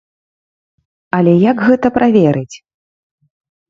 Але як гэта праверыць?